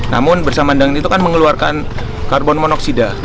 namun bersama dengan itu kan mengeluarkan karbon monoksida